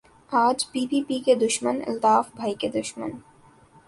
آج P P P کے دشمن الطاف بھائی کے دشمن